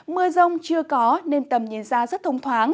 mưa rông chưa có nên tầm nhìn ra rất thông thoáng